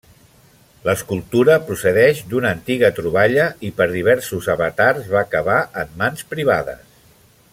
L'escultura procedeix d'una antiga troballa i per diversos avatars va acabar en mans privades.